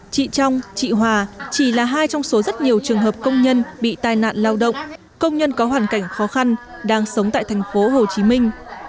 chị trong chị hòa chỉ là hai trong số rất nhiều trường hợp công nhân bị tai nạn lao động công nhân có hoàn cảnh khó khăn đang sống tại thành phố hồ chí minh